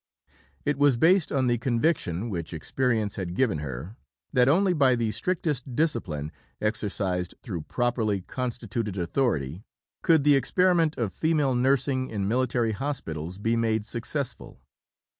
It was based on the conviction which experience had given her, that only by the strictest discipline exercised through properly constituted authority, could the experiment of female nursing in military hospitals be made successful.